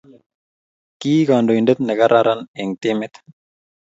Kii kantointe ne kararan eng timit.